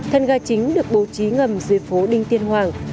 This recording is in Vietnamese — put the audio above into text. thân ga chính được bố trí ngầm dưới phố đinh tiên hoàng